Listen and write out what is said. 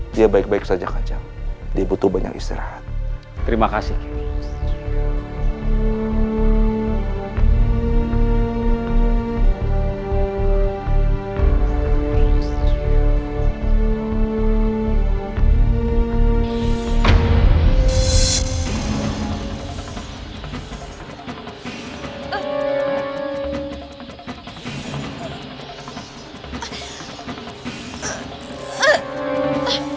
dia baik baik saja kacau dibutuhkan istirahat terima kasih